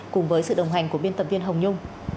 cùng với sự đồng hành của biên tập viên hồng nhung